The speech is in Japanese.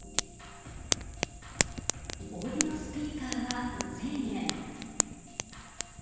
オーディオスピーカーは１０００円。